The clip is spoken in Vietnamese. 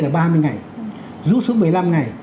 là ba mươi ngày rút xuống một mươi năm ngày